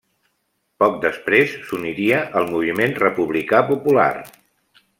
Poc després s'uniria al Moviment Republicà Popular.